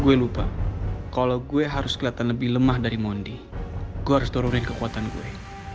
gue lupa kalau gue harus kelihatan lebih lemah dari mondi gue harus turunin kekuatan gue